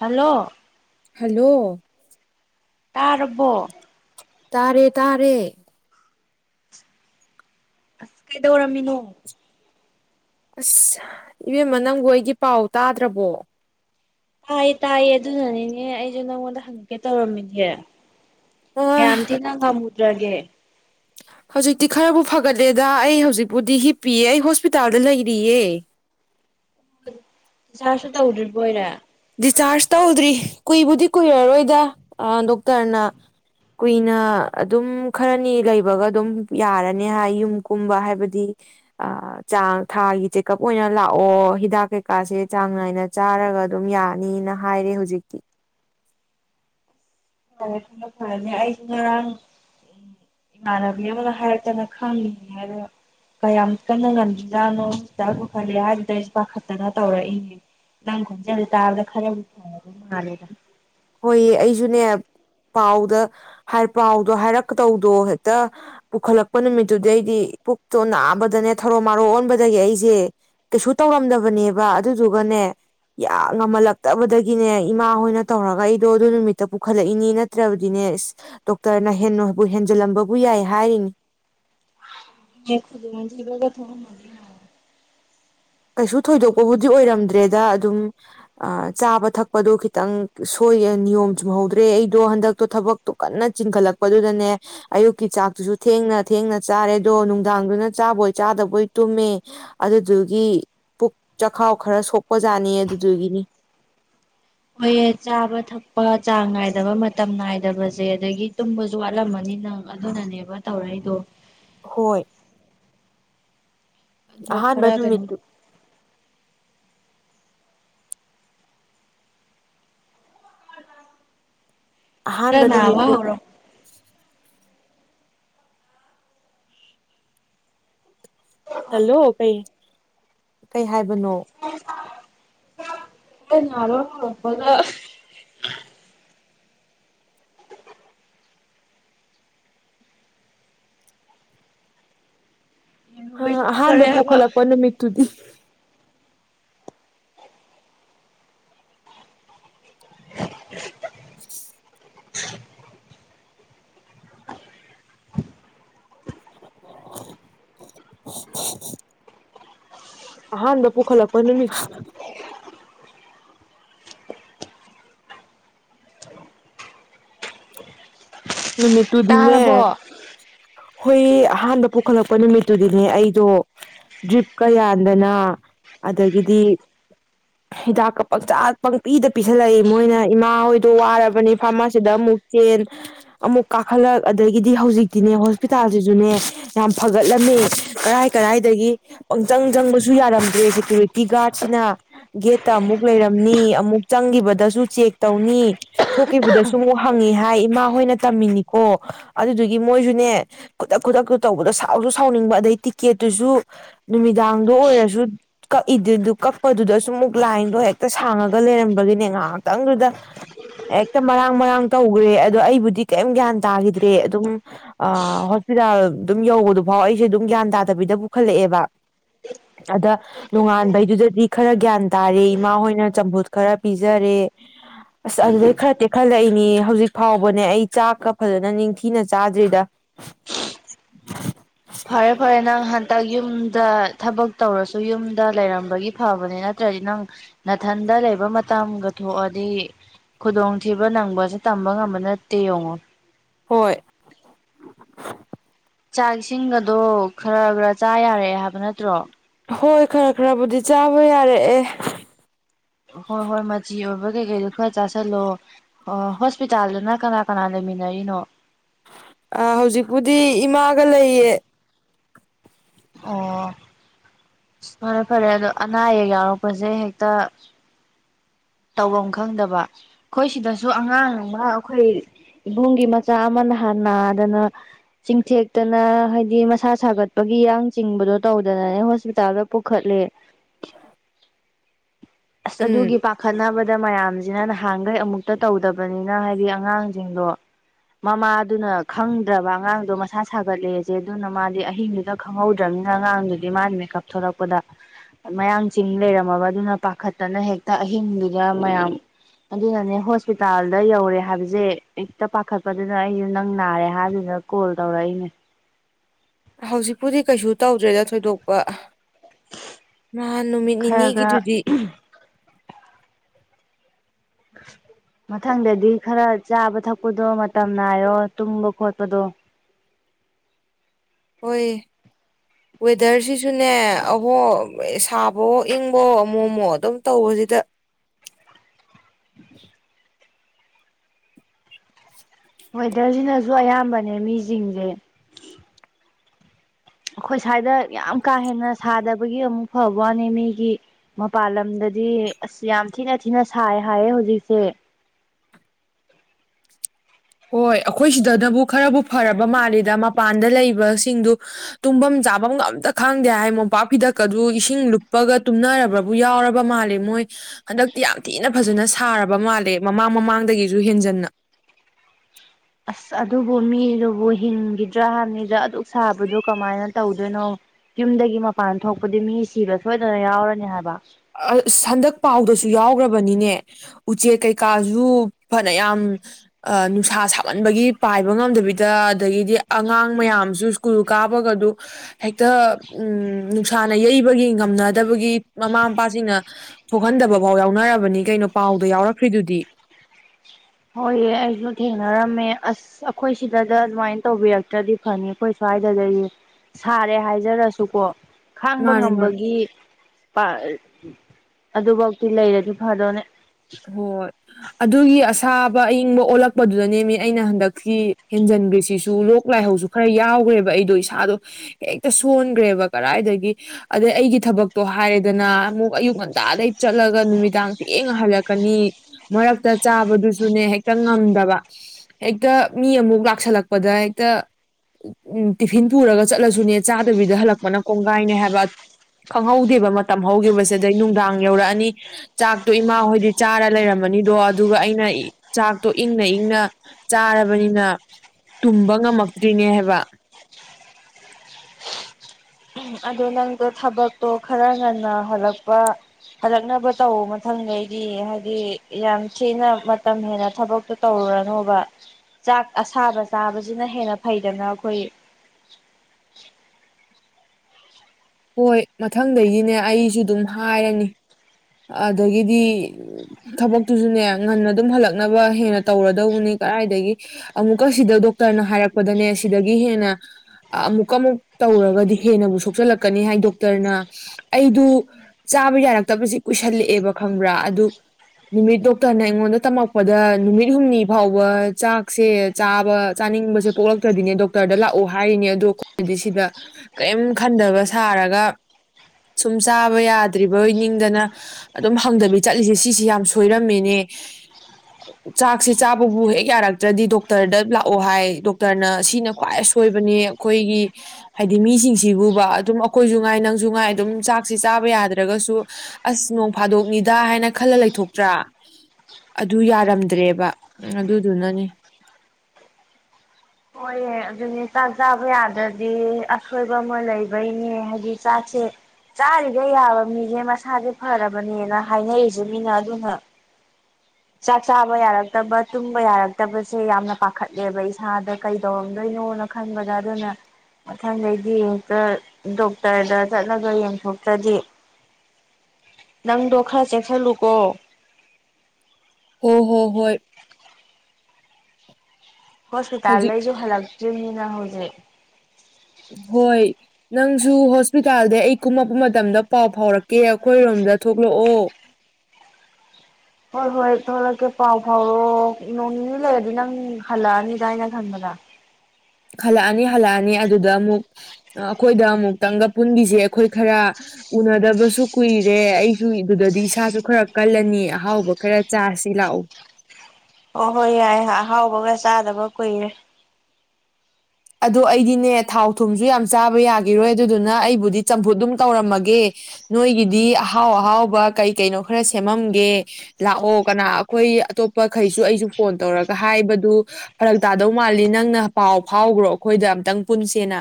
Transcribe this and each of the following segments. Hello hello ꯇꯥꯔꯔꯕꯣ ꯇꯥꯔꯦ ꯇꯥꯔꯦ ꯑꯁ ꯀꯩꯗꯧꯔꯝꯃꯤꯅꯣ ꯑꯁ ꯏꯕꯦꯝꯃꯅꯪꯕꯨ ꯑꯩꯒꯤ ꯄꯥꯎ ꯇꯥꯗ꯭ꯔꯕꯣ ꯇꯥꯏꯌꯦ ꯇꯥꯏꯌꯦ ꯑꯗꯨꯅꯅꯤꯅꯦ ꯑꯩꯁꯨ ꯅꯪꯉꯣꯟꯗ ꯍꯪꯉꯛꯀꯦ ꯇꯧꯔꯝꯃꯤꯅꯦꯍꯦ ꯑ ꯀꯌꯥꯝ ꯊꯤꯅ ꯉꯝꯃꯨ ꯔꯒꯦ ꯍꯧꯖꯤꯛꯇꯤ ꯈꯔꯕꯨ ꯐꯒꯠꯂꯦꯗ ꯑꯩ ꯍꯧꯖꯤꯛꯄꯨꯗꯤ ꯍꯤꯞꯄꯤꯌꯦ ꯑꯩ ꯍꯣꯁꯄꯤꯇꯥꯜꯗ ꯂꯩꯔꯤꯌꯦ ꯆꯥꯔꯁꯨ ꯇꯧꯗ꯭ꯔꯤꯕ ꯑꯣꯏꯔꯦ ꯗꯤꯆꯥꯔꯖ ꯇꯧꯗ꯭ꯔꯤ ꯀꯨꯏꯕꯨꯗꯤ ꯀꯨꯏꯔꯔꯣꯏꯗ ꯗꯣꯛꯇꯔꯅ ꯀꯨꯏꯅ ꯑꯗꯨꯝ ꯈꯔꯅꯤ ꯂꯩꯕꯒ ꯑꯗꯨꯝ ꯈꯔꯅꯤ ꯌꯔꯅꯤ ꯍꯥꯏ ꯌꯨꯝ ꯀꯨꯝꯕ ꯍꯥꯏꯕꯗꯤ ꯆꯥꯡ ꯊꯥꯒꯤ ꯆꯦꯛꯑꯞ ꯑꯣꯏꯅ ꯂꯥꯛꯑꯣ ꯍꯤꯗꯥꯛ ꯀꯩꯀꯥꯁꯦ ꯆꯥꯡ ꯅꯥꯏꯅ ꯆꯥꯔꯒ ꯑꯗꯨꯝ ꯌꯥꯅꯤꯅ ꯍꯥꯏꯔꯦ ꯍꯧꯖꯤꯛꯇꯤ ꯐꯔꯦ ꯈꯅ ꯐꯔꯅꯦ ꯑꯩꯁꯨ ꯉꯔꯥꯡ ꯏꯃꯥꯟꯅꯕꯤ ꯑꯃꯅ ꯍꯥꯏꯔꯛꯇꯅ ꯈꯪꯉꯤꯅꯦ ꯑꯗꯣ ꯀꯌꯥꯝ ꯀꯟꯅ ꯉꯝꯗꯖꯥꯠꯅꯣꯗ ꯗꯣꯛꯇꯔ ꯄꯨꯈꯠꯂꯦ ꯍꯥꯏꯗꯨꯗ ꯑꯩꯁꯨ ꯄꯥꯈꯠꯇꯅ ꯇꯧꯔꯛꯏꯅꯦ ꯅꯪ ꯈꯣꯟꯖꯦꯜꯂ ꯇꯥꯕꯗ ꯈꯔꯕꯨ ꯐꯕ ꯃꯥꯜꯂꯦꯗ ꯍꯣꯏꯌꯦ ꯑꯩꯁꯨꯅꯦ ꯄꯥꯎꯗ ꯄꯥꯎꯗꯣ ꯍꯥꯏꯔꯛꯀꯗꯧꯗꯣ ꯍꯦꯛꯇ ꯄꯨꯈꯠꯂꯛꯄ ꯅꯨꯃꯤꯠꯇꯨꯗ ꯑꯩꯗꯤ ꯄꯨꯛꯇꯣ ꯅꯥꯕꯗꯅꯦ ꯊꯧꯔꯣ ꯃꯔꯣ ꯑꯣꯟꯕꯗꯒꯤ ꯑꯩꯁꯦ ꯀꯩꯁꯨ ꯇꯧꯔꯝꯗꯕꯅꯦꯕ ꯑꯗꯨꯗꯨꯒꯅꯦ ꯌꯥꯝ ꯉꯝꯍꯜꯂꯛꯇꯕꯗꯒꯤꯅꯦ ꯏꯃꯥ ꯍꯣꯏꯅ ꯇꯧꯔꯒ ꯑꯩꯗꯣ ꯑꯗꯨ ꯅꯨꯃꯤꯠꯇ ꯄꯨꯈꯠꯂꯛꯏꯅꯤ ꯅꯠꯇ꯭ꯔꯕꯗꯤꯅꯦ ꯏꯁ ꯗꯣꯛꯇꯔꯅ ꯍꯦꯟꯅꯕꯨ ꯍꯦꯟꯖꯤꯜꯂꯝꯕꯕꯨ ꯌꯥꯏ ꯍꯥꯏꯔꯤꯅꯤ [unintelligible] ꯀꯩꯁꯨ ꯊꯣꯏꯗꯣꯛꯄꯕꯨꯗꯤ ꯑꯣꯏꯔꯝꯗ꯭ꯔꯦꯗ ꯑꯗꯨꯝ ꯆꯥꯕ ꯊꯛꯄꯗꯣ ꯈꯤꯇꯪ ꯁꯣꯏ ꯅꯤꯌꯣꯝ ꯆꯨꯝꯍꯧꯗ꯭ꯔꯦ ꯑꯩꯗꯣ ꯍꯟꯗꯛꯇꯣ ꯊꯕꯛꯇꯣ ꯀꯟꯅ ꯆꯤꯟꯈꯠꯂꯛꯄꯗꯨꯗꯅꯦ ꯑꯌꯨꯛꯀꯤ ꯆꯥꯛꯇꯨꯁꯨ ꯊꯦꯡꯅ ꯊꯦꯡꯅ ꯆꯥꯔꯦ ꯑꯗꯣ ꯅꯨꯡꯗꯥꯡꯗꯨꯅ ꯆꯥꯕꯣꯏ ꯆꯥꯗꯕꯣꯏ ꯇꯨꯝꯃꯦ ꯑꯗꯨꯗꯨꯒꯤ ꯄꯨꯛ ꯆꯈꯥꯎ ꯈꯔ ꯁꯣꯛꯄ ꯖꯥꯠꯅꯤ ꯑꯗꯨꯗꯨꯒꯤꯅꯤ ꯍꯣꯏꯌꯦ ꯆꯥꯕ ꯊꯛꯄ ꯆꯥꯡ ꯅꯥꯏꯗꯕ ꯃꯇꯝ ꯅꯥꯏꯗꯕꯁꯦ ꯑꯗꯒꯤ ꯇꯨꯝꯕꯁꯨ ꯋꯥꯠꯂꯝꯃꯅꯤ ꯅꯪ ꯑꯗꯨꯅꯅꯦꯕ ꯇꯧꯔꯛꯏꯗꯣ ꯍꯣꯏ ꯑꯗꯣ ꯑꯍꯥꯟꯕ ꯈꯔ ꯅꯨꯃꯤꯠ ꯀꯩꯅꯣ [inaudible] ꯑꯍꯥꯟꯕ ꯈꯔꯅꯥꯕ ꯅꯨꯃꯤꯠꯇꯨ ꯍꯧꯔꯣ ꯍꯜꯂꯣ ꯀꯩ ꯀꯩ ꯍꯥꯏ ꯕꯅꯣ ꯄꯨꯛꯅꯕ [unintelligible] ꯑ ꯌꯦꯡꯍꯧꯔꯤꯗꯣ ꯑꯍꯥꯟꯕ ꯐꯔꯦ ꯍꯥꯏꯕ ꯄꯣꯈꯠꯂꯛꯄ ꯅꯨꯃꯤꯠꯇꯨꯗꯤ ꯑꯍꯥꯟꯕ ꯄꯨꯈꯠꯂꯛꯄ ꯅꯨꯃꯤꯠ [unintelligible] ꯇꯥꯔꯕꯣ ꯇꯨꯗꯤꯅꯦ ꯍꯣꯏꯌꯦ ꯑꯍꯥꯟꯕ ꯄꯨꯈꯠꯂꯛꯄ ꯅꯨꯃꯤꯠꯇꯨꯗꯤꯅꯦ ꯑꯩꯗꯣ ꯗ꯭ꯔꯤꯞꯀ ꯌꯥꯟꯗꯅ ꯑꯗꯒꯤꯗꯤ ꯍꯤꯗꯥꯛꯀ ꯄꯪꯆꯥꯥ ꯄꯪꯄꯤꯗ ꯄꯤꯁꯜꯂꯛꯏ ꯃꯣꯏꯅ ꯏꯃꯥ ꯍꯣꯏꯗꯣ ꯋꯥꯔꯕꯅꯤ ꯐꯥꯔꯃꯥꯁꯤꯗ ꯑꯃꯨꯛ ꯆꯦꯟ ꯑꯃꯨꯛ ꯀꯥꯈꯠꯂꯛ ꯑꯗꯒꯤꯗꯤ ꯍꯧꯖꯤꯛꯇꯤꯅꯦ ꯍꯣꯁꯄꯤꯇꯥꯜꯁꯤꯁꯨꯅꯦ ꯌꯥꯝ ꯐꯒꯠꯂꯝꯃꯦ ꯀꯔꯥꯏ ꯀꯔꯥꯏꯗꯒꯤ ꯄꯪꯆꯪ ꯆꯪꯕꯁꯨ ꯌꯥꯔꯝꯗꯦ ꯁꯦꯀ꯭ꯌꯨꯔꯤꯇꯤ ꯒꯥꯔꯗꯁꯤꯅ ꯒꯦꯠꯇ ꯑꯃꯨꯛ ꯂꯩꯔꯝꯅꯤ ꯑꯃꯨꯛ ꯆꯪꯒꯤꯕꯗꯁꯨ ꯆꯦꯛ ꯇꯧꯅꯤ ꯊꯣꯛꯈꯤꯕꯗꯁꯨ ꯑꯃꯨꯛ ꯍꯪꯉꯤ ꯍꯥꯏ ꯏꯃꯥ ꯍꯣꯏꯅ ꯇꯝꯃꯤꯅꯤꯀꯣ ꯑꯗꯨꯗꯨꯒꯤ ꯃꯣꯏꯁꯨꯅꯦ ꯈꯨꯗꯛ ꯈꯨꯗꯛꯇ ꯇꯧꯕꯗ ꯁꯥꯎꯁꯨ ꯁꯥꯎꯅꯤꯡꯕ ꯑꯗꯩ ꯇꯤꯛꯀꯦꯠꯇꯨꯁꯨ ꯅꯨꯃꯤꯗꯥꯡꯗꯣ ꯑꯣꯏꯔꯁꯨ ꯀꯛꯏꯗꯗꯨ ꯀꯛꯄꯗꯨꯗꯁꯨ ꯑꯃꯨꯛ ꯂꯥꯏꯟꯗꯣ ꯍꯦꯛꯇ ꯁꯥꯡꯉꯒ ꯂꯩꯔꯝꯕꯒꯤꯅꯦ ꯉꯥꯏꯍꯥꯛꯇꯪꯗꯨꯗ ꯍꯦꯛꯇ ꯃꯔꯥꯡ ꯃꯔꯥꯡ ꯇꯧꯒꯔꯦ ꯑꯗꯣ ꯑꯩꯕꯨꯗꯤ ꯀꯔꯤꯝ ꯒ꯭ꯌꯥꯟ ꯇꯥꯈꯤꯗ꯭ꯔꯦ ꯑꯗꯨꯝ ꯑ ꯍꯣꯁꯄꯤꯇꯥꯜ ꯑꯗꯨꯝ ꯌꯧꯕꯗꯨꯐꯥꯎ ꯑꯩꯁꯦ ꯑꯗꯨꯝ ꯒ꯭ꯌꯥꯟ ꯇꯥꯗꯕꯤꯗ ꯄꯨꯈꯠꯂꯛꯑꯦꯕ ꯑꯗ ꯅꯣꯉꯥꯟꯕꯩꯗꯨꯗꯗꯤ ꯈꯔ ꯒ꯭ꯌꯥꯟ ꯇꯥꯔꯦ ꯏꯃꯥ ꯍꯣꯏꯅ ꯆꯝꯐꯨꯠ ꯈꯔ ꯄꯤꯖꯔꯦ ꯑꯁ ꯑꯗꯨꯗꯩ ꯈꯔ ꯇꯦꯛꯈꯠꯂꯛꯏꯅꯦ ꯍꯧꯖꯤꯛ ꯐꯥꯎꯕꯅꯦ ꯑꯩ ꯆꯥꯛꯀ ꯐꯖꯅ ꯅꯤꯡꯊꯤꯅ ꯆꯥꯗ꯭ꯔꯤꯗ ꯐꯔꯦ ꯐꯔꯦ ꯅꯪ ꯍꯥꯟ ꯍꯇ ꯌꯨꯝꯗ ꯊꯕꯛ ꯇꯧꯔꯁꯨ ꯌꯨꯝꯗ ꯂꯩꯔꯝꯕꯒꯤ ꯐꯕꯅꯦ ꯅꯠꯇ꯭ꯔꯗꯤ ꯅꯪ ꯅꯥꯊꯟꯗ ꯂꯩꯕ ꯃꯇꯝꯒ ꯊꯣꯛꯑꯗꯤ ꯈꯨꯗꯣꯡꯊꯤꯕ ꯅꯪꯕꯁ ꯇꯝꯕ ꯉꯝꯕ ꯅꯠꯇꯦ ꯌꯦꯡꯉꯣ ꯍꯣꯏ ꯆꯥꯛ ꯏꯁꯤꯡꯒꯗꯣ ꯈꯔ ꯈꯔ ꯆꯥ ꯌꯥꯔꯛꯑꯦ ꯍꯥꯏꯕ ꯅꯠꯇ꯭ꯔꯣ ꯍꯣꯏ ꯈꯔ ꯈꯔꯕꯨꯗꯤ ꯆꯥꯕ ꯌꯥꯔꯛꯑꯦ ꯍꯣꯏ ꯍꯣꯏ ꯃꯆꯤ ꯑꯣꯏꯕ ꯀꯩꯀꯩꯗꯨ ꯈꯔ ꯆꯥꯥꯁꯜꯂꯣ ꯍ ꯍꯣꯁꯄꯤꯇꯥꯜꯗꯨꯅ ꯀꯅꯥ ꯀꯅꯥ ꯂꯩꯃꯤꯟꯅꯔꯤꯅꯣ ꯑ ꯍꯧꯖꯤꯛꯄꯨꯗꯤ ꯏꯃꯥꯒ ꯂꯩꯌꯦ ꯑꯣ ꯐꯔꯦ ꯐꯔꯦ ꯑꯗꯣ ꯑꯅꯥ ꯑꯌꯦꯛ ꯌꯥꯎꯔꯛꯄꯁꯦ ꯍꯦꯛꯇ ꯇꯧꯐꯝ ꯈꯪꯗꯕ ꯑꯩꯈꯣꯏ ꯁꯤꯗꯁꯨ ꯑꯉꯥꯡ ꯑꯃ ꯑꯩꯈꯣꯏ ꯏꯕꯨꯡꯒꯤ ꯃꯆꯥ ꯑꯃ ꯅꯍꯥꯟ ꯅꯥꯗꯅ ꯆꯤꯡꯊꯦꯛꯇꯅ ꯍꯥꯏꯗꯤ ꯃꯁꯥ ꯁꯥꯒꯠꯄꯒꯤ ꯌꯥꯡ ꯆꯤꯡꯕꯗꯣ ꯇꯧꯗꯅꯅꯦ ꯍꯣꯁꯄꯤꯇꯥꯜꯗ ꯄꯨꯈꯠꯂꯦ [inaudible] ꯑꯁ ꯎꯝ ꯑꯗꯨꯒꯤ ꯄꯥꯈꯠꯅꯕꯗ ꯃꯌꯥꯝ ꯅ ꯅꯍꯥꯟꯈꯩ ꯑꯃꯨꯛꯇ ꯇꯧꯗꯕꯅꯤꯅ ꯍꯥꯏꯗꯤ ꯑꯉꯥꯡꯖꯤꯡꯗꯣ ꯃꯃꯥꯗꯨꯅ ꯈꯪꯗ꯭ꯔꯕ ꯑꯉꯥꯡꯗꯣ ꯃꯁꯥ ꯁꯥꯒꯠꯂꯦꯁꯦ ꯑꯗꯨꯅ ꯃꯥꯗꯤ ꯑꯍꯤꯡꯗꯨꯗ ꯈꯪꯍꯧꯗ꯭ꯔꯅꯤꯅ ꯑꯉꯥꯡꯗꯨꯗꯤ ꯃꯥꯗꯤ ꯃꯤꯀꯞ ꯊꯣꯛꯂꯛꯄꯗ ꯃꯌꯥꯡ ꯆꯤꯡ ꯂꯩꯔꯝꯃꯕ ꯑꯗꯨꯅ ꯄꯥꯈꯠ ꯥꯇꯅ ꯍꯦꯛꯇ ꯑꯍꯤꯡꯗꯨꯗ ꯃꯌꯥꯝ ꯑꯗꯨꯅꯅꯦ ꯍꯣꯁꯄꯤꯇꯥꯜꯗ ꯌꯧꯔꯦ ꯍꯥꯏꯕꯁꯦ ꯍꯦꯛꯇ ꯄꯥꯈꯠꯄꯗꯨꯅ ꯑꯩꯁꯨ ꯅꯪ ꯅꯥꯔꯦ ꯍꯥꯏꯗꯨꯅ ꯀꯣꯜ ꯇꯧꯔꯛꯏꯅꯦ ꯍꯧꯖꯤꯛ ꯄꯨꯗꯤ ꯀꯩꯁꯨ ꯇꯧꯗ꯭ꯔꯦꯗ ꯊꯣꯏꯗꯣꯛꯄ ꯅꯍꯥꯟ ꯅꯨꯃꯤꯠ ꯈꯔ ꯈꯔ ꯅꯤꯅꯤꯒꯤꯗꯨꯗꯤ ꯃꯊꯪꯗꯗꯤ ꯈꯔ ꯆꯥꯕ ꯊꯛꯄꯗꯣ ꯃꯇꯝ ꯅꯥꯏꯔꯣ ꯇꯨꯝꯕ ꯈꯣꯠꯄꯗꯣ ꯍꯣꯏ ꯋꯦꯗꯔꯁꯤ ꯅꯦ ꯑꯣꯍꯣ [inaudible] ꯁꯥꯕꯑꯣ ꯏꯪꯑꯣ ꯑꯃꯨꯛ ꯑꯃꯨꯛ ꯑꯗꯨꯝ ꯇꯧꯕꯁꯤꯗ [inaudible] ꯋꯦꯗꯔꯖꯤꯅꯖꯨ ꯑꯌꯥꯝꯕꯅꯦ ꯃꯤꯖꯤꯡꯖꯦ ꯑꯩꯈꯣꯏ ꯁ꯭ꯋꯥꯏꯗ ꯌꯥꯝ ꯀꯥ ꯍꯦꯟꯅ ꯁꯥꯗꯕꯒꯤ ꯑꯃꯨꯛ ꯐꯕ ꯋꯥꯅꯦ ꯃꯤꯒꯤ ꯃꯄꯥꯟ ꯂꯝꯗꯗꯤ ꯑꯁ ꯌꯥꯝ ꯊꯤꯅ ꯊꯤꯅ ꯁꯥꯏ ꯍꯥꯏꯌꯦ ꯍꯧꯖꯤꯛꯁꯦ ꯍꯣꯏ ꯑꯩꯈꯣꯏ ꯁꯤꯗꯅꯕꯨ ꯈꯔꯕꯨ ꯐꯔꯕ ꯃꯥꯜꯂꯤꯗ ꯃꯄꯥꯟꯗ ꯂꯩꯕ ꯁꯤꯡꯗꯨ ꯇꯨꯝꯐꯝ ꯆꯥꯐꯝꯒ ꯑꯝꯇ ꯈꯪꯗꯦ ꯍꯥꯏ ꯃꯣꯝꯄꯥꯛ ꯐꯤꯗꯛ ꯑꯗꯨ ꯏꯁꯤꯡ ꯂꯨꯞꯄꯒ ꯇꯨꯝꯅꯔꯕꯕꯨ ꯌꯥꯎꯔꯕ ꯃꯥꯜꯂꯦ ꯃꯣꯏ ꯍꯟꯗꯛꯇꯤ ꯌꯥꯝ ꯊꯤꯅ ꯐꯖꯅ ꯁꯥꯔꯕ ꯃꯥꯜꯂꯦ ꯃꯃꯥꯡ ꯃꯃꯥꯡꯗꯒꯤꯁꯨ ꯍꯦꯟꯖꯤꯟꯅ [inaudible] ꯑꯁ ꯑꯗꯨꯕꯨ ꯃꯤꯗꯨꯕꯨ ꯍꯤꯡꯈꯤꯗ꯭ꯔꯥ ꯍꯥꯏꯕꯅꯤꯗ ꯑꯗꯨꯛ ꯁꯥꯕꯗꯨ ꯀꯃꯥꯏꯅ ꯇꯧꯗꯣꯏꯅꯣ ꯌꯨꯝꯗꯒꯤ ꯃꯄꯥꯟ ꯊꯣꯛꯄꯗꯤ ꯃꯤ ꯁꯤꯕ ꯁꯣꯏꯗꯅ ꯌꯥꯎꯔꯅꯤ ꯍꯥꯏꯕ ꯑꯁ ꯍꯟꯗꯛ ꯄꯥꯎꯗꯁꯨ ꯌꯥꯎꯈ꯭ꯔꯕꯅꯤꯅꯦ ꯎꯆꯦꯛ ꯀꯩꯀꯥꯖꯨ ꯐꯅ ꯌꯥꯝ ꯅꯨꯡꯁꯥ ꯁꯥꯃꯟꯕꯒꯤ ꯄꯥꯏꯕ ꯉꯝꯗꯕꯤꯗ ꯑꯗꯒꯤꯗꯤ ꯑꯉꯥꯡ ꯃꯌꯥꯝꯁꯨ ꯀꯨꯜ ꯀꯥꯕꯒꯗꯨ ꯍꯦꯛꯇ ꯎꯝ ꯅꯨꯡꯁꯥꯅ ꯌꯩꯕꯒꯤ ꯉꯝꯅꯗꯕꯒꯤ ꯃꯃꯥ ꯃꯄꯥꯁꯤꯡꯅ ꯊꯣꯛꯍꯟꯗꯕꯐꯥꯎ ꯌꯥꯎꯅꯔꯕꯅꯤ ꯀꯩꯅꯣ ꯄꯥꯎꯗꯣ ꯌꯥꯎꯔꯛꯈ꯭ꯔꯤꯗꯨꯗꯤ ꯍꯣꯏꯌꯦ ꯑꯩꯖꯨ ꯊꯦꯡꯅꯔꯝꯃꯦ ꯑꯁ ꯑꯈꯣꯏ ꯁꯤꯗꯒ ꯑꯗꯨꯃꯥꯏ ꯇꯧꯕꯤꯔꯛꯇ꯭ꯔꯗꯤ ꯐꯅꯤ ꯑꯈꯣꯏ ꯁ꯭ꯋꯥꯏꯗꯗꯤ ꯁꯥꯔꯦ ꯍꯥꯏꯖꯔꯁꯨꯀꯣ ꯈꯥꯡꯕ ꯃꯥꯅꯤ ꯃꯥꯅꯤ ꯉꯝꯕꯒꯤ ꯄꯥꯔ ꯑꯔ ꯑꯗꯨꯕꯥꯎꯛꯇꯤ ꯂꯩꯔꯗꯤ ꯐꯗꯧꯅꯦ꯫ ꯍꯣꯏ ꯑꯗꯨꯒꯤ ꯑꯁꯥꯕ ꯑꯏꯪꯕ ꯑꯣꯜꯂꯛꯄꯗꯨꯗꯅꯦꯃꯤ ꯑꯩꯅ ꯍꯟꯗꯛꯀꯤ ꯍꯦꯟꯖꯤꯟꯈ꯭ꯔꯤꯁꯤꯁꯨ ꯂꯣꯛ ꯂꯥꯏꯍꯧꯁꯨ ꯈꯔ ꯌꯥꯎꯈ꯭ꯔꯦꯕ ꯑꯩꯗꯣ ꯏꯁꯥꯗꯣ ꯍꯦꯛꯇ ꯁꯣꯟꯈ꯭ꯔꯦꯕ ꯀꯗꯥꯏꯗꯒꯤ ꯑꯗꯩ ꯑꯩꯒꯤ ꯊꯕꯛꯇꯣ ꯍꯥꯏꯔꯦꯗꯅ ꯑꯃꯨꯛ ꯑꯌꯨꯛ ꯉꯟꯇꯥꯗꯩ ꯆꯠꯂꯒ ꯅꯨꯃꯤꯗꯥꯡ ꯊꯦꯡꯉ ꯍꯜꯂꯛ ꯀꯅꯤ ꯃꯔꯛꯇ ꯆꯥꯕꯗꯨꯖꯨꯅꯦ ꯍꯦꯛꯇ ꯉꯝꯗꯕ ꯍꯦꯛꯇ ꯃꯤ ꯑꯃꯨꯛ ꯂꯥꯛꯁꯜꯂꯛꯄꯗ ꯍꯦꯛꯇ ꯎ ꯇꯤꯐꯤꯟ ꯄꯨꯔꯒ ꯆꯠꯂꯁꯨꯅꯦ ꯆꯥꯗꯕꯤꯗ ꯍꯜꯂꯛꯄꯅ ꯀꯣꯡꯒꯥꯏꯅꯦ ꯍꯥꯏꯕ ꯈꯪꯍꯧꯗꯦꯕ ꯃꯇꯝ ꯍꯧꯒꯤꯕꯁꯦ ꯑꯗꯩ ꯅꯨꯡꯗꯥꯡ ꯌꯧꯔꯛꯑꯅꯤ ꯆꯥꯛꯇꯣ ꯏꯃꯥ ꯍꯣꯏꯗꯤ ꯆꯥꯔꯥ ꯂꯩꯔꯝꯃꯅꯤꯗꯣ ꯑꯗꯨꯒ ꯑꯩꯅ ꯏ ꯆꯥꯛꯇꯣ ꯏꯪꯅ ꯏꯪꯅ ꯆꯥꯔꯕꯅꯤꯅ ꯇꯨꯝꯕ ꯉꯝꯃꯛꯇ꯭ꯔꯤꯅꯦ ꯍꯥꯏꯕ꯫ ꯎꯝ ꯑꯗꯣ ꯅꯪꯗꯣ ꯊꯕꯛꯇꯣ ꯈꯔ ꯉꯟꯅ ꯍꯜꯂꯛꯄ ꯍꯜꯂꯛꯅꯕ ꯇꯧꯕ ꯃꯊꯪꯗꯩꯗꯤ ꯍꯥꯏꯗꯤ ꯌꯥꯝ ꯊꯤꯅ ꯃꯇꯝ ꯍꯦꯟꯅ ꯊꯕꯛꯇꯣ ꯇꯧꯔꯨꯔꯅꯣꯕ ꯆꯥꯛ ꯑꯁꯥꯕ ꯆꯥꯕꯁꯤꯅ ꯍꯦꯟꯅ ꯐꯩꯗꯅ ꯑꯩꯈꯣꯏ ꯍꯣꯏ ꯃꯊꯪꯗꯒꯤꯗꯤꯅꯦ ꯑꯩꯁꯨ ꯑꯗꯨꯝ ꯍꯥꯏꯔꯅꯤ ꯑꯗꯒꯤꯗꯤ ꯊꯕꯛꯇꯨꯁꯨꯅꯦ ꯉꯟꯅ ꯑꯗꯨꯝ ꯍꯜꯂꯛꯅꯕ ꯍꯦꯟꯅ ꯇꯧꯔꯗꯧꯕꯅꯤ ꯀꯗꯥꯏꯗꯒꯤ ꯑꯃꯨꯛꯀ ꯁꯤꯗ ꯗꯣꯛꯇꯔꯅ ꯍꯥꯏꯔꯛꯄꯗꯅꯦ ꯁꯤꯗꯒꯤ ꯍꯦꯟꯅ ꯑꯃꯨꯛꯀ ꯑꯃꯨꯛ ꯇꯧꯔꯒꯗꯤ ꯍꯦꯟꯅꯕꯨ ꯁꯣꯛꯆꯤꯜꯂꯛ ꯀꯅꯤ ꯍꯥꯏ ꯗꯣꯛꯇꯔꯅ ꯑꯩꯗꯨ ꯆꯥꯕ ꯌꯥꯔꯛꯇꯕꯁꯤ ꯀꯨꯏꯁꯜꯂꯛꯑꯦꯕ ꯈꯪꯕ꯭ꯔꯥ ꯑꯗꯨ ꯅꯨꯃꯤꯠ ꯗꯣꯛꯇꯔꯅ ꯑꯩꯉꯣꯟꯗ ꯇꯝꯃꯛꯄꯗ ꯅꯨꯃꯤꯠ ꯍꯨꯝꯅꯤ ꯐꯥꯎꯕ ꯆꯥꯛꯁꯦ ꯆꯥꯕ ꯆꯥꯅꯤꯡꯕꯁꯦ ꯄꯣꯛꯂꯛꯇ꯭ꯔꯗꯤꯅꯦ ꯗꯣꯛꯇꯔꯗ ꯂꯥꯛꯑꯣ ꯍꯥꯏꯔꯤꯅꯦ ꯑꯗꯣ ꯁꯤꯗ ꯀꯦꯝ ꯈꯟꯗꯕ ꯁꯥꯔꯒ ꯁꯨꯝ ꯆꯥꯕ ꯌꯥꯗ꯭ꯔꯤꯕꯣꯏ ꯅꯤꯡꯗꯅ ꯑꯗꯨꯝ ꯍꯪꯗꯕꯤ ꯆꯠꯂꯤꯖꯦ ꯁꯤꯁꯦ ꯌꯥꯝ ꯁꯣꯏꯔꯝꯃꯦꯅꯦ ꯆꯥꯛꯁꯦ ꯆꯥꯕꯕꯨ ꯍꯦꯛ ꯌꯥꯔꯛꯇ꯭ꯔꯗꯤ ꯗꯣꯛꯇꯔꯗ ꯂꯥꯛꯑꯣ ꯍꯥꯏ ꯗꯣꯛꯇꯔꯅ ꯁꯤꯅ ꯈ꯭ꯋꯥꯏ ꯁꯣꯏꯕꯅꯦ ꯑꯈꯣꯏꯒꯤ ꯍꯥꯏꯗꯤ ꯃꯤꯁꯤꯡꯁꯤꯕꯨꯕ ꯑꯗꯨꯝ ꯑ ꯑꯈꯣꯏꯖꯨ ꯉꯥꯏ ꯅꯪꯖꯨ ꯉꯥꯏ ꯑꯗꯨꯝ ꯆꯥꯛꯁꯤ ꯆꯥꯕ ꯌꯥꯗ꯭ꯔꯒꯁꯨ ꯑꯁ ꯅꯣꯡ ꯐꯥꯗꯣꯛꯅꯤꯗ ꯍꯥꯏꯅ ꯈꯜꯂ ꯂꯩꯊꯣꯛꯇ꯭ꯔꯥ ꯑꯗꯨ ꯌꯥꯔꯝꯗ꯭ꯔꯦꯕ ꯑꯗꯨꯗꯨꯅꯅꯤ꯫ ꯍꯣꯏꯌꯦ ꯑꯗꯨꯅꯦ ꯆꯥꯛ ꯆꯥꯕ ꯌꯥꯗ꯭ꯔꯗꯤ ꯑꯁꯣꯏꯕ ꯑꯃ ꯂꯩꯕꯩꯅꯦ ꯍꯥꯏꯗꯤ ꯆꯥꯛꯁꯦ ꯆꯥꯔꯤꯒꯩ ꯌꯥꯕ ꯃꯤꯖꯦ ꯃꯁꯥꯖꯦ ꯐꯔꯕꯅꯦꯅ ꯍꯥꯏꯅꯩꯖꯦ ꯃꯤꯅ ꯑꯗꯨꯅ ꯆꯥꯛ ꯆꯥꯕ ꯌꯥꯔꯛꯇꯕ ꯇꯨꯝꯕ ꯌꯥꯔꯛꯇꯕꯁꯦ ꯌꯥꯝꯅ ꯄꯥꯈꯠꯂꯦꯕ ꯏꯁꯥꯗ ꯀꯩꯗꯧꯔꯝ ꯀꯩꯅꯣꯅ ꯈꯟꯕꯗ ꯑꯗꯨꯅ ꯃꯊꯪꯗꯩꯗꯤ ꯍꯦꯛꯇ ꯗꯣꯛꯇꯔꯗ ꯆꯠꯂꯒ ꯌꯦꯡꯊꯣꯛꯇ꯭ꯔꯗꯤ ꯅꯪꯗꯣ ꯈꯔ ꯆꯦꯛꯁꯜꯂꯨꯀꯣ꯫ ꯍꯣ ꯍꯣ ꯍꯣꯏ꯫ ꯍꯧꯖꯤꯛ ꯍꯣꯁꯄꯤꯇꯥꯜꯗꯩꯖꯨ ꯍꯜꯂꯛꯇ꯭ꯔꯤꯝꯅꯤꯅ ꯍꯧꯖꯤꯛ [inaudible] ꯍꯣꯏ ꯅꯪꯖꯨ ꯍꯣꯁꯄꯤꯇꯥꯜꯗꯩ ꯑꯩ ꯀꯨꯝꯃꯛꯄ ꯃꯇꯝꯗ ꯄꯥꯎ ꯐꯥꯎꯔꯛꯀꯦ ꯑꯈꯣꯏꯔꯣꯝꯗ ꯊꯣꯛꯂꯛꯑꯣ꯫ ꯍꯣꯏ ꯍꯣꯏ ꯊꯣꯛꯂꯛꯀꯦ ꯄꯥꯎ ꯐꯥꯎꯔꯣ ꯅꯣꯡ ꯅꯤꯅꯤ ꯂꯩꯔꯗꯤ ꯅꯪ ꯍꯜꯂꯛꯑꯅꯤꯗ ꯑꯩꯅ ꯈꯟꯕꯗ꯫ ꯍꯜꯂꯛꯑꯅꯤ ꯍꯜꯂꯛꯑꯅꯤ ꯑꯗꯨꯗ ꯑꯃꯨꯛ ꯑꯥ ꯑꯈꯣꯏꯗ ꯑꯃꯨꯛꯇꯪꯒ ꯄꯨꯟꯒꯤꯁꯦ ꯑꯈꯣꯏ ꯈꯔ ꯎꯅꯗꯕꯁꯨ ꯀꯨꯏꯔꯦ ꯑꯩꯁꯨ ꯑꯗꯨꯗꯗꯤ ꯏꯁꯥꯁꯨ ꯈꯔ ꯀꯜꯂꯅꯤ ꯑꯍꯥꯎꯕ ꯈꯔ ꯆꯥꯁꯤ ꯂꯥꯛꯎ꯫ ꯑꯣ ꯍꯣꯏ ꯌꯥꯏ ꯑꯍꯥꯎꯕꯒ ꯆꯥꯗꯕ ꯀꯨꯏꯔꯦ꯫ ꯑꯗꯣ ꯑꯩꯗꯤꯅꯦ ꯊꯥꯎ ꯊꯨꯝꯖꯨ ꯌꯥꯝ ꯆꯥꯕ ꯌꯥꯒꯤꯔꯣꯏ ꯑꯗꯨꯗꯨꯅ ꯑꯩꯕꯨꯗꯤ ꯆꯝꯐꯨꯠ ꯑꯗꯨꯝ ꯇꯧꯔꯝꯃꯒꯦ ꯅꯣꯏꯒꯤꯗꯤ ꯑꯍꯥꯎ ꯑꯍꯥꯎꯕ ꯀꯩ ꯀꯩꯅꯣ ꯈꯔ ꯁꯦꯝꯃꯝꯒꯦ ꯂꯥꯛꯑꯣ ꯀꯅꯥ ꯑꯩꯈꯣꯏ ꯑꯇꯣꯞꯄꯈꯩꯁꯨ ꯑꯩꯖꯨ ꯐꯣꯟ ꯇꯧꯔꯒ ꯍꯥꯏꯕꯗꯨ ꯐꯔꯛ ꯇꯥꯗꯧ ꯃꯥꯜꯂꯤ ꯅꯪꯅ ꯄꯥꯎ ꯐꯥꯎꯒ꯭ꯔꯣ ꯑꯩꯈꯣꯏꯗ ꯑꯝꯇꯪ ꯄꯨꯟꯁꯦꯅ꯫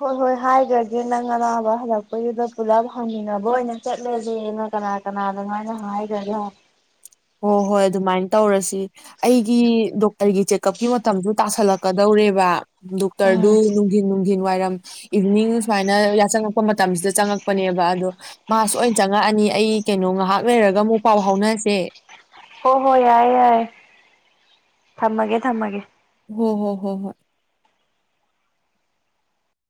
ꯍꯣꯏ ꯍꯣꯏ ꯍꯥꯏꯒ꯭ꯔꯒꯦ ꯅꯪ ꯑꯅꯥꯕ ꯍꯜꯂꯛꯄꯩꯗꯨꯗ ꯄꯨꯜꯂꯞ ꯍꯪꯃꯤꯟꯅꯕ ꯑꯣꯏꯅ ꯆꯠꯂꯖꯦꯅ ꯀꯅꯥ ꯀꯅꯥꯗꯅꯣ ꯑꯩꯅ ꯍꯥꯏꯒ꯭ꯔꯒꯦ꯫ ꯍꯣ ꯍꯣꯏ ꯑꯗꯨꯃꯥꯏ ꯇꯧꯔꯁꯤ ꯑꯩꯒꯤ ꯗꯣꯛꯇꯔꯒꯤ ꯆꯦꯛꯑꯞꯀꯤ ꯃꯇꯝꯁꯨ ꯇꯥꯁꯜꯂꯛꯀꯗꯧꯔꯦꯕ ꯗꯣꯛꯇꯔꯗꯨ ꯎꯝ ꯅꯨꯡꯗꯤꯟ ꯅꯨꯡꯗꯤꯟ ꯋꯥꯏꯔꯝ ꯏꯚꯤꯅꯤꯡ ꯁꯨꯃꯥꯏꯅ ꯌꯥꯆꯪꯉꯛꯄ ꯃꯇꯝꯁꯤꯗ ꯆꯪꯉꯛꯄꯅꯦꯕ ꯑꯗꯣ ꯃꯥ ꯁꯣꯏꯅ ꯆꯪꯉꯛꯑꯅꯤ ꯑꯩ ꯀꯩꯅꯣ ꯉꯍꯥꯛ ꯂꯩꯔꯒ ꯑꯃꯨꯛ ꯄꯥꯎ ꯐꯥꯎꯅꯁꯦ꯫ ꯍꯣ ꯍꯣꯏ ꯌꯥꯌꯦ ꯌꯥꯌꯦ ꯊꯝꯃꯒꯦ ꯊꯝꯃꯒꯦ꯫ ꯍꯣ ꯍꯣ ꯍꯣ ꯍꯣ